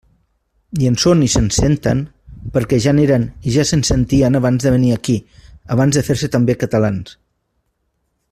I en són i se'n senten, perquè ja n'eren i ja se'n sentien abans de venir aquí, abans de fer-se també catalans.